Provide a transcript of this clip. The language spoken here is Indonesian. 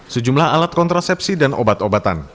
sejumlah alat kontrasepsi dan obat obatan